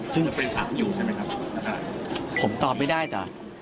ซึ่งเป็นสามอยู่ใช่ไหมครับผมตอบไม่ได้แต่